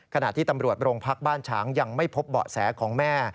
ขณะที่ตำรวจโรงพักบ้านฉางยังไม่พบเบาะแสของแม่